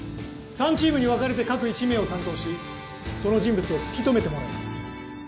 ３チームに分かれて各１名を担当しその人物を突き止めてもらいます。